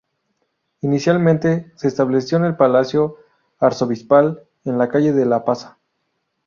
Inicialmente, se estableció en el palacio arzobispal, en la calle de la Pasa.